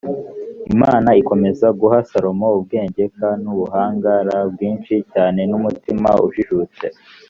imana ikomeza guha salomo ubwenge k n ubuhanga l bwinshi cyane n umutima ujijutse